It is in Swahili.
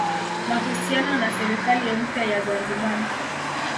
mahusiano na serikali mpya ya Zanzibar